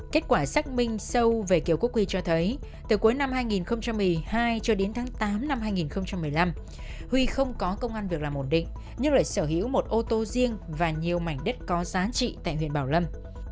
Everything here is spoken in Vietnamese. kết quả xác minh sâu về kiều quốc quy cho thấy từ cuối năm hai nghìn một mươi hai cho đến tháng tám năm hai nghìn một mươi năm huy không có công an việc làm ổn định nhưng lại sở hữu một ô tô riêng và nhiều mảnh đất có giá trị tại huyện bảo lâm